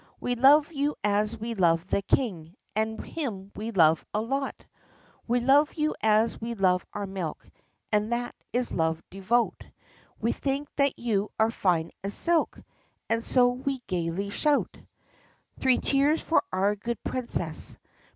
We love you as we love the King, And him we love a lot! We love you as we love our milk! And that is love devout; We think that you are fine as silk, And so we gaily shout: CHORUS Three cheers for our good Princess!